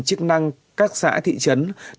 trước tình hình dịch tả lợn châu phi